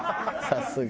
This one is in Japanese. さすが。